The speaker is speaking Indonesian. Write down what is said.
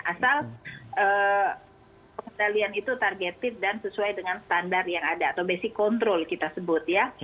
asal pengendalian itu targeted dan sesuai dengan standar yang ada atau basic control kita sebut ya